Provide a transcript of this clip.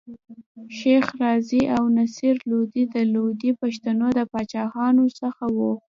شېخ رضي او نصر لودي د لودي پښتنو د پاچاهانو څخه ول.